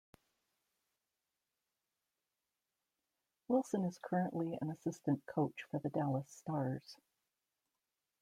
Wilson is currently an assistant coach for the Dallas Stars.